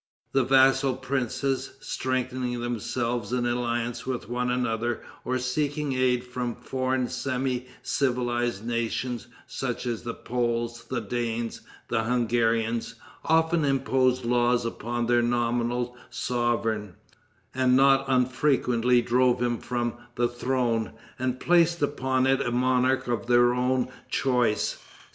The vassal princes, strengthening themselves in alliances with one another, or seeking aid from foreign semi civilized nations, such as the Poles, the Danes, the Hungarians, often imposed laws upon their nominal sovereign, and not unfrequently drove him from the throne, and placed upon it a monarch of their own choice.